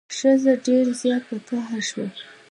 ښځه ډیر زیات په قهر شوه.